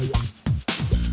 lo mau ambil sepatu apa